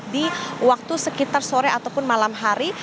di waktu sekitar sore ataupun malam hari